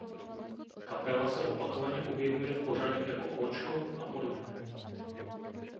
Kapela se opakovaně objevuje v pořadech jako Óčko apod.